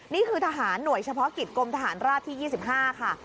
นี่คือทหารหน่วยเฉพาะกิจกรมทหารราบที่๒๕ค่ะ